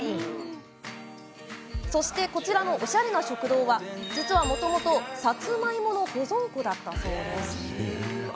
そしてこちらのおしゃれな食堂は実はもともと、さつまいもの保存庫だったそうです。